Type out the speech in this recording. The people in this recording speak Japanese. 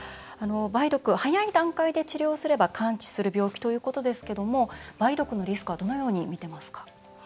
梅毒、早い段階で治療すれば完治する病気ということですけども、梅毒のリスクはどのように見てますか？